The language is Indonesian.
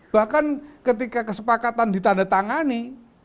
bahkan ketika kesepakatan ditandatangani